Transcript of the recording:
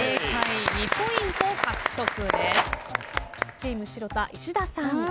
チーム城田石田さん。